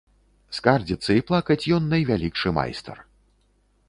Скардзіцца і плакаць ён найвялікшы майстар.